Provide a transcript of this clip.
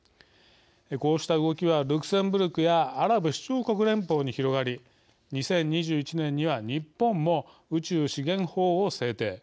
こうした動きはルクセンブルクやアラブ首長国連邦に広がり２０２１年には日本も宇宙資源法を制定。